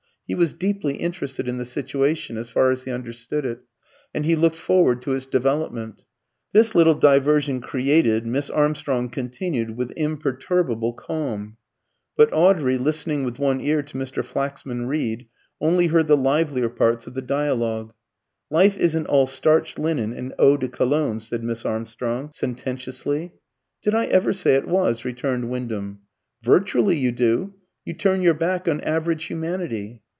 He was deeply interested in the situation as far as he understood it, and he looked forward to its development. This little diversion created, Miss Armstrong continued with imperturbable calm. But Audrey, listening with one ear to Mr. Flaxman Reed, only heard the livelier parts of the dialogue. "Life isn't all starched linen and eau de Cologne," said Miss Armstrong, sententiously. "Did I ever say it was?" returned Wyndham. "Virtually you do. You turn your back on average humanity."